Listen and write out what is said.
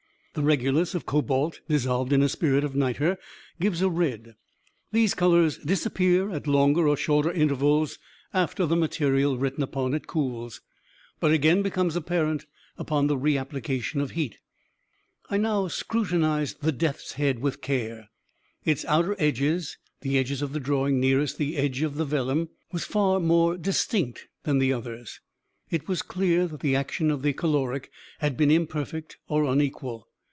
The regulus of cobalt, dissolved in spirit of nitre, gives a red. These colors disappear at longer or shorter intervals after the material written upon cools, but again become apparent upon the reapplication of heat. "I now scrutinized the death's head with care. Its outer edges the edges of the drawing nearest the edge of the vellum were far more distinct than the others. It was clear that the action of the caloric had been imperfect or unequal.